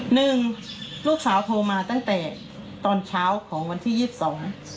หนึ่งลูกสาวโทรมาตั้งแต่ตอนเช้าของวันที่ยี่สิบสอง